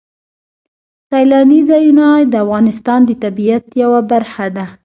سیلاني ځایونه د افغانستان د طبیعت یوه برخه ده.